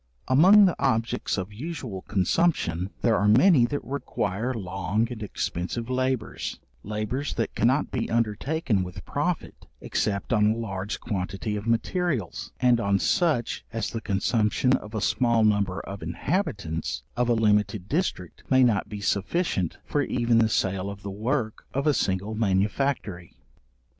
Among the objects of usual consumption, there are many that require long and expensive labours, labours that cannot be undertaken with profit, except on a large quantity of materials, and on such as the consumption of a small number of inhabitants of a limited district, may not be sufficient for even the sale of the work of a single manufactory.